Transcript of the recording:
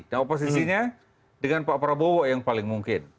nah oposisinya dengan pak prabowo yang paling mungkin